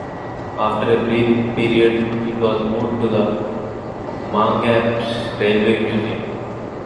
After a brief period it was moved to the Mangapps Railway Museum.